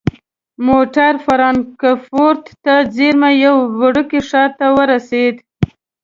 موټر فرانکفورت ته څیرمه یوه وړوکي ښار ته ورسید.